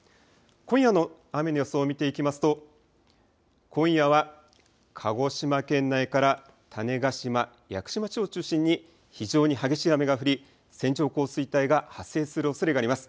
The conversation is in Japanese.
今夜の雨の予想を見ていきますと今夜は鹿児島県内から種子島、屋久島地方を中心に非常に激しい雨が降り線状降水帯が発生するおそれがあります。